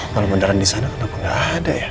kalau beneran disana kenapa gak ada ya